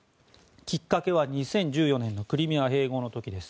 きっかけは２０１４年のクリミア併合の時です。